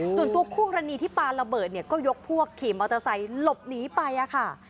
ส่วนตัวคู่กรณีที่ปาระเบิดเนี่ยก็ยกพวกขี่มอเตอร์ไซค์หลบหนีไปค่ะ